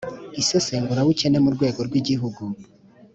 isesengurabukene mu rwego rw'igihugu,